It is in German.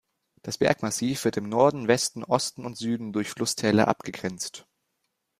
Das Bergmassiv wird im Norden, Westen, Osten und Süden durch Flusstäler abgegrenzt.